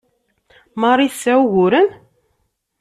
Marie tesɛa uguren?